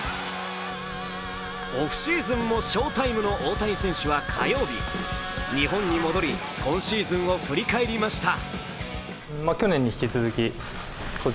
オフシーズンも「賞−ＴＩＭＥ」の大谷選手は火曜日、日本に戻り、今シーズンを振り返りました。